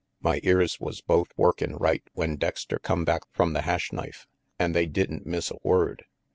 My ears was both workin' right when Dexter come back from the Hash Knife, and they didn't miss a word.